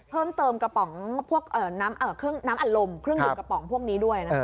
เพิ่มเติมกระป๋องพวกน้ำอัดลมเครื่องหยุดกระป๋องพวกนี้ด้วยนะ